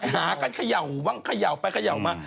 ว้างเขย่าว้างเขย่าไปเขย่ามา